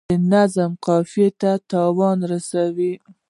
د نظم قافیې ته تاوان رسیږي.